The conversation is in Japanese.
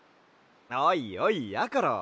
おいおいやころ。